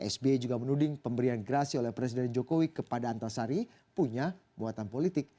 sbi juga menuding pemberian gerasi oleh presiden jokowi kepada antasari punya buatan politik